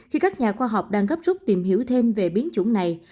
khi các nhà khoa học đang gấp rút tìm hiểu thêm về biến chủng này